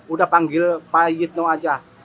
udah panggil pak yitno aja